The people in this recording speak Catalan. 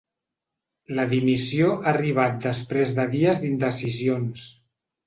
La dimissió ha arribat després de dies d’indecisions.